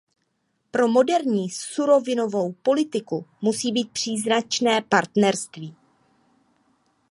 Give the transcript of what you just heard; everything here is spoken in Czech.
Pro moderní surovinovou politiku musí být příznačné partnerství.